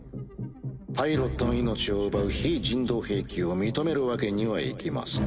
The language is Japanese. パイロットの命を奪う非人道兵器を認めるわけにはいきません。